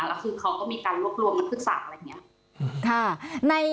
แล้วคือเขาก็มีการรวบรวมนักศึกษาอะไรอย่างนี้